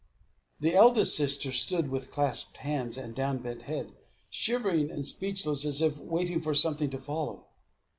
The eldest sister stood with clasped hands and down bent head, shivering and speechless, as if waiting for something to follow.